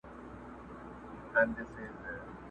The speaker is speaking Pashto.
هوښ له سره د چا ځي چي یې لیدلې.!